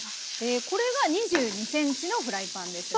これが２２ｃｍのフライパンですね。